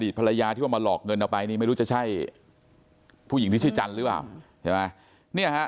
ภรรยาที่ว่ามาหลอกเงินเอาไปนี่ไม่รู้จะใช่ผู้หญิงที่ชื่อจันทร์หรือเปล่าใช่ไหม